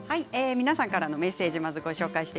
皆さんからのメッセージです。